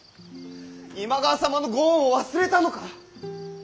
今川様のご恩を忘れたのか！？